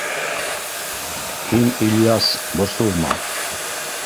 — Һин, Ильяс, борсолма.